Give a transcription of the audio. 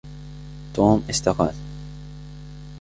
توم استقال.